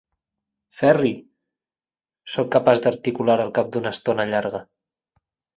Ferri! –sóc capaç d'articular al cap d'una estona llarga–.